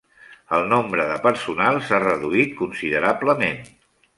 El nombre de personal s'ha reduït considerablement.